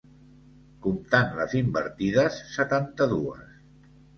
Comptant les invertides, setanta-dues.